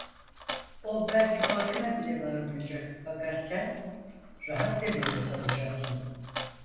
O belki farkına bile varmayacak, fakat sen rahat bir nefes alacaksın…